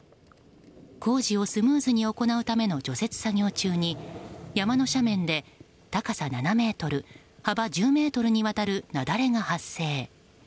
工事をスムーズに行うための除雪作業中に山の斜面で高さ７ｍ、幅１０ｍにわたる雪崩が発生。